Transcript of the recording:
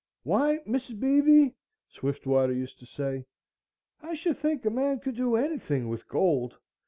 "Why, Mrs. Beebe," Swiftwater used to say, "I should think a man could do anything with gold!